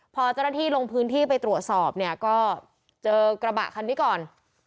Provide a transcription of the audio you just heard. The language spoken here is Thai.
พอเจ้าหน้าที่ลงพื้นที่ไปตรวจสอบเนี่ยก็เจอกระบะคันนี้ก่อน